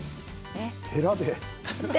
へらで。